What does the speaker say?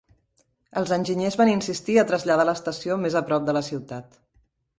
Els enginyers van insistir a traslladar l'estació més a prop de la ciutat.